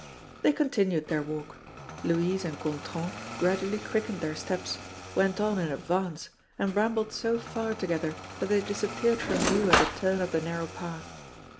They continued their walk. Louise and Gontran gradually quickened their steps, went on in advance, and rambled so far together that they disappeared from view at a turn of the narrow path.